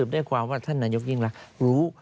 ได้ความว่าท่านนายกยิ่งรักรู้